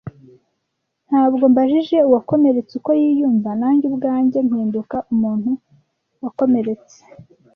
Ntabwo mbajije uwakomeretse uko yiyumva, Nanjye ubwanjye mpinduka umuntu wakomeretse,